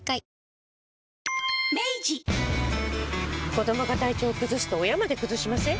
子どもが体調崩すと親まで崩しません？